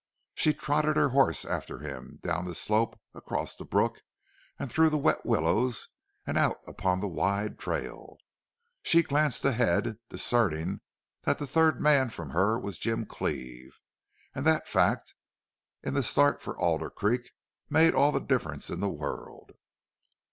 She trotted her horse after him, down the slope, across the brook and through the wet willows, and out upon the wide trail. She glanced ahead, discerning that the third man from her was Jim Cleve; and that fact, in the start for Alder Creek, made all the difference in the world.